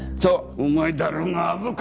お前だろうが虻川！